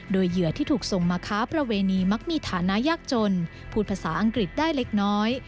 โดยเหยื่อที่ถูกส่งมาค้าประเวณีมักมีฐานะยากจนพูดภาษาอังกฤษได้เล็กน้อย